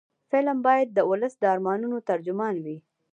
فلم باید د ولس د ارمانونو ترجمان وي